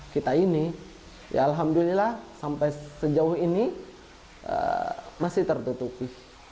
kita ini ya alhamdulillah sampai sejauh ini masih tertutupi